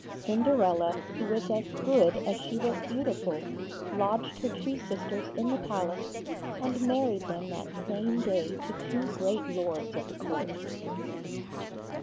Cinderella, who was as good as she was beautiful, lodged her two sisters in the palace, and married them that same day to two great Lords of the Court.